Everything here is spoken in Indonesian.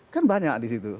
kan banyak di situ